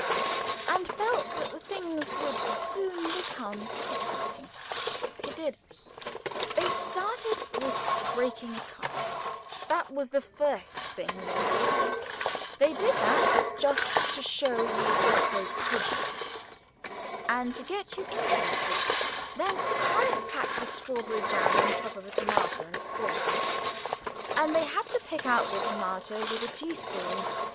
and felt that the thing would soon become exciting. It did. They started with breaking a cup. That was the first thing they did. They did that just to show you what they could do, and to get you interested. Then Harris packed the strawberry jam on top of a tomato and squashed it, and they had to pick out the tomato with a teaspoon.